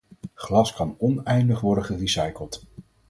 Glas kan oneindig worden gerecycled